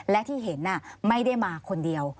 และที่เห็นไม่ได้มาคนเดียว